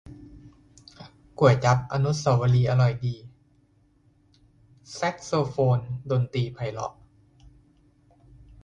ก๋วยจั๊บอนุเสาวรีย์อร่อยดี แซกโซโฟนดนตรีไพเราะ